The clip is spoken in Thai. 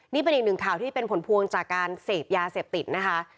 นี่เป็นอีกหนึ่งข่าวที่เป็นผลพวงจากการเสพยาเสพติดนะคะ